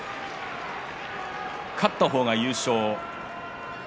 勝った方が優勝。